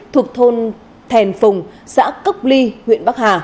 thuộc thôn thèn phùng xã cốc ly